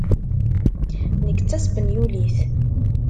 Nekk d taspenyult.